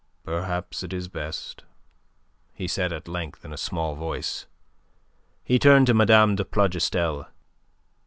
"Perhaps it is best," he said, at length, in a small voice. He turned to Mme. de Plougastel.